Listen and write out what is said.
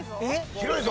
広いぞ。